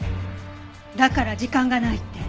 だから時間がないって。